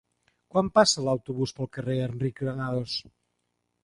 Quan passa l'autobús pel carrer Enric Granados?